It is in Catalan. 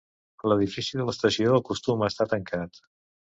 L'edifici de l'estació acostuma a estar tancat.